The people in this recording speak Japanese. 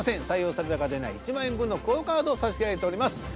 採用された方には１万円分のＱＵＯカードを差し上げております